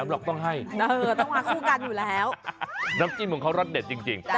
จิ้มของเขารักเด็ดจริง